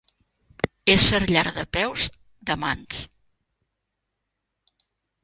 Ésser llarg de peus, de mans.